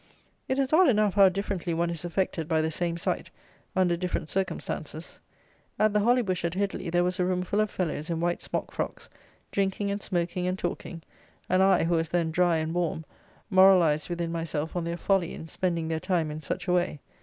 It is odd enough how differently one is affected by the same sight, under different circumstances. At the "Holly Bush" at Headly there was a room full of fellows in white smock frocks, drinking and smoking and talking, and I, who was then dry and warm, moralized within myself on their folly in spending their time in such a way.